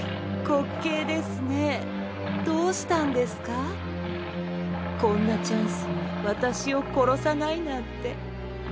滑稽ですねッどうしたんですかこんなチャンスに私を殺さないなんてッ。